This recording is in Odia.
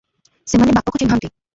ସେମାନେ ବାପକୁ ଚିହ୍ନନ୍ତି ।